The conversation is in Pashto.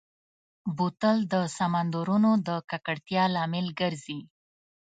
بوتل د سمندرونو د ککړتیا لامل ګرځي.